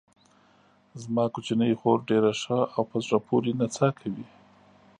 زما کوچنۍ خور ډېره ښه او په زړه پورې نڅا کوي.